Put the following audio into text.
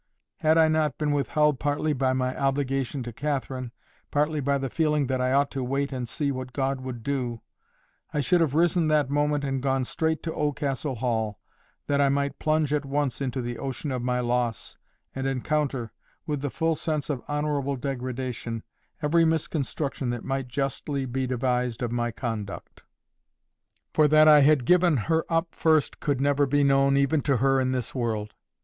Had I not been withheld partly by my obligation to Catherine, partly by the feeling that I ought to wait and see what God would do, I should have risen that moment and gone straight to Oldcastle Hall, that I might plunge at once into the ocean of my loss, and encounter, with the full sense of honourable degradation, every misconstruction that might justly be devised of my conduct. For that I had given her up first could never be known even to her in this world.